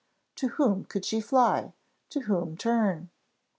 To whom could she fly, to whom turn?